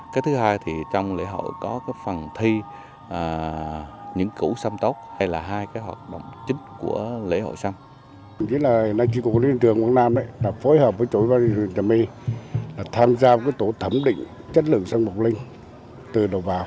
cái thứ hai thì trong lễ hội có cái phần thi những củ sâm tốt hay là hai cái hậu